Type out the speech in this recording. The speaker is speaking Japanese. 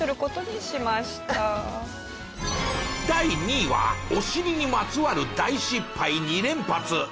第２位はお尻にまつわる大失敗２連発。